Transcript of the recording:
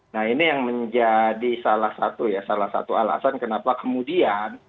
nah ini yang menjadi salah satu alasan kenapa kemudian